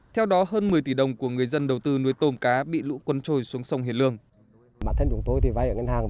theo đó hơn một mươi tỷ đồng của người dân đầu tư nuôi tôm cá bị lũ quân trôi xuống sông hiền lương